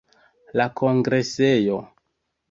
La kongresejo.